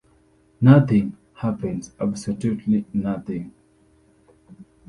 "Nothing" happens, absolutely nothing.